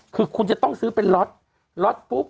คือคุณจะต้องซื้อล็อต